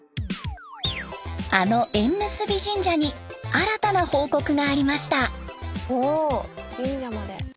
あの縁結び神社に新たな報告がありました。